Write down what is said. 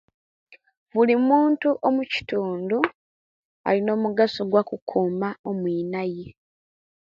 Bulinmuntu omukitundu alina omugaso gwokuokuma omwinaye